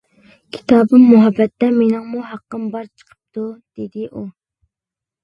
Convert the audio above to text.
«كىتابىم، مۇھەببەتتە مېنىڭمۇ ھەققىم بار چىقىپتۇ! » دېدى ئۇ.